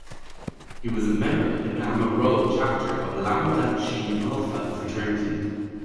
He was a member of the Gamma Rho Chapter of Lambda Chi Alpha fraternity.